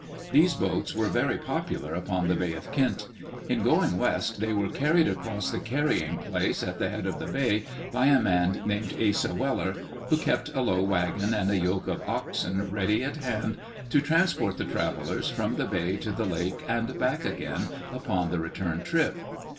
These boats were very popular upon the Bay of Quinte. In going west they were carried across the Carrying Place at the head of the bay by a man named Asa Weller, who kept a low wagon and a yoke of oxen ready at hand to transport the travellers from the bay to the lake and back again upon the return trip.